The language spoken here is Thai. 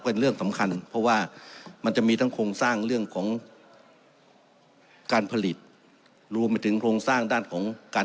เป็นเรื่องสำคัญเพราะว่ามันจะมีทั้งโครงสร้างเรื่องของการผลิตรวมไปถึงโครงสร้างด้านของการ